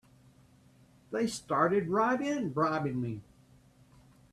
They started right in bribing me!